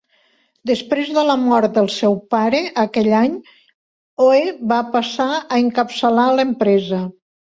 Després de la mort del seu pare aquell any, Hoe va passar a encapçalar l'empresa.